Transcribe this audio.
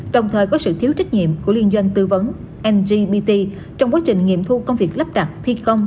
đồng thời có sự thiếu trách nhiệm của liên doanh tư vấn mgbt trong quá trình nghiệm thu công việc lắp đặt thi công